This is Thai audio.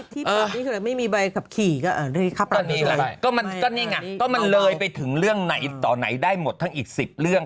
ที่แบบนี้ไม่มีใบขับขี่ก็อ่ะนี่แหละก็มันก็นี่ไงก็มันเลยไปถึงเรื่องไหนต่อไหนได้หมดทั้งอีกสิบเรื่อง